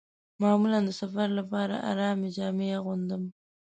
معمولاً د سفر لپاره ارامې جامې اغوندم.